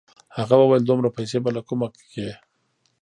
هغه وويل دومره پيسې به له کومه کې.